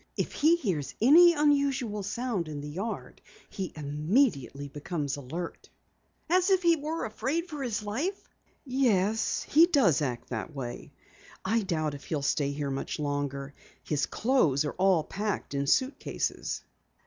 "If he hears any unusual sound in the yard he immediately becomes alert." "As if he were afraid for his life?" "Yes, he does act that way. I doubt if he'll stay here much longer. His clothes are all packed in suitcases."